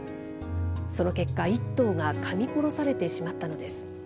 その結果、１頭がかみ殺されてしまったのです。